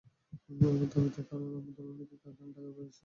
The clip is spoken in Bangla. তাদের দাবির কারণে আমাদের অনেক কারখানা ঢাকার বাইরে স্থানান্তর করতে হচ্ছে।